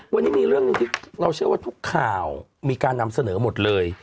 วันนี้มีเรื่องหนึ่งที่เราเชื่อว่าทุกข่าวมีการนำเสนอหมดเลย